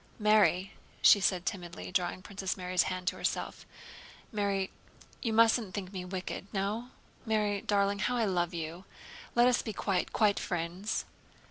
"Mary," she said timidly, drawing Princess Mary's hand to herself, "Mary, you mustn't think me wicked. No? Mary darling, how I love you! Let us be quite, quite friends."